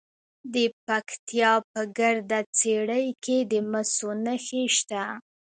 د پکتیا په ګرده څیړۍ کې د مسو نښې شته.